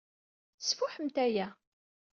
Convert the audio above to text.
Sfuḥemt aya.